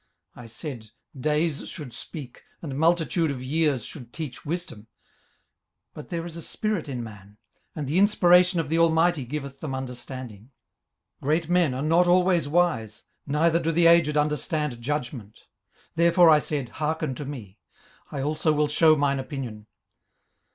18:032:007 I said, Days should speak, and multitude of years should teach wisdom. 18:032:008 But there is a spirit in man: and the inspiration of the Almighty giveth them understanding. 18:032:009 Great men are not always wise: neither do the aged understand judgment. 18:032:010 Therefore I said, Hearken to me; I also will shew mine opinion.